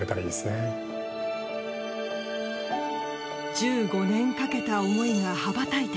１５年かけた思いが羽ばたいた